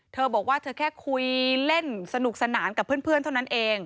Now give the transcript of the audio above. เธอบอกว่าเธอแค่คุยเล่นสนุกสนานกับเพื่อนเท่านั้นเอง